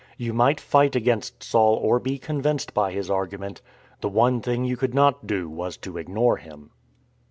You might fight against Saul or be convinced by his argument. The one thing you could not do was to ignore him.